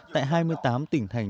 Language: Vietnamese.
tại hai mươi tám tỉnh thành